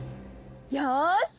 よし！